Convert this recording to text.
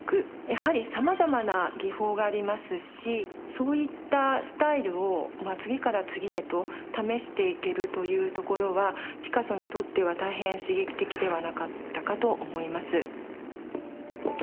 やはりさまざまな技法がありますしそういったスタイルを次から次へと試していけるというところはピカソにとっては大変刺激的ではなかったかと思います。